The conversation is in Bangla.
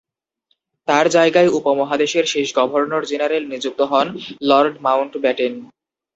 তাঁর জায়গায় উপমহাদেশের শেষ গভর্নর জেনারেল নিযুক্ত হন লর্ড মাউন্টব্যাটেন।